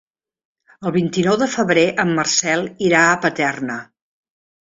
El vint-i-nou de febrer en Marcel irà a Paterna.